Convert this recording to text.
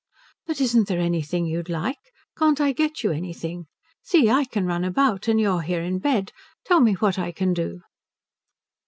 "But isn't there anything you'd like? Can't I get you anything? See, I can run about and you are here in bed. Tell me what I can do."